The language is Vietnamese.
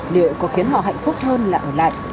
liệu có khiến họ hạnh phúc hơn là ở lại